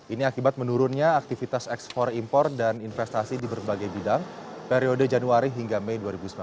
ini akibat menurunnya aktivitas ekspor impor dan investasi di berbagai bidang periode januari hingga mei dua ribu sembilan belas